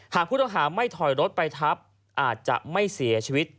หากผู้ต้องหาไม่ถอยรถไปทับอาจจะไม่เสียชีวิต